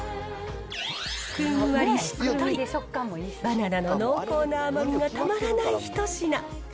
ふんわりしっとり、バナナの濃厚な甘みがたまらない一品。